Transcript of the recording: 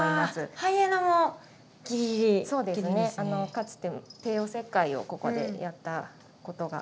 かつて帝王切開をここでやったことがあるので。